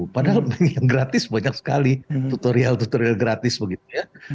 padahal yang gratis banyak sekali tutorial tutorial gratis begitu ya